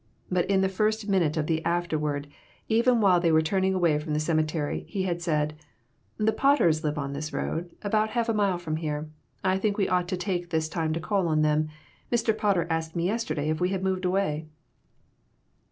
But in the first minute of the "afterward," even while they were turning away from the cemetery, he had said "The Potters live on this road, about half a mile from here ; I think we ought to take this time to call on them. Mr. Potter asked me yes terday if we had moved away.